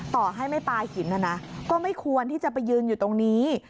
ต่อให้ไม่ปลาหินนะนะก็ไม่ควรที่จะไปยืนอยู่ตรงนี้